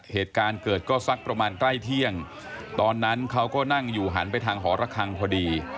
เหตุการณ์เกิดก็สักประมาณใกล้เที่ยงตอนนั้นเขาก็นั่งอยู่หันไปทางหอระคังพอดี